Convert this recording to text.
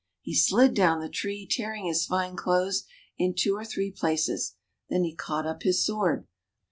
He slid down the tree, tearing his fine clothes in two or three places ; then he caught up his swmrd.